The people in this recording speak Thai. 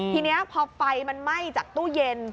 ทีนี้พอไฟมันไหม้จากตู้เย็น